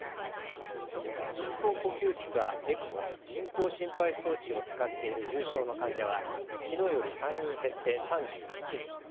人工呼吸器かＥＣＭＯ・人工心肺装置を使っている重症の患者はきのうより３人減って３１人。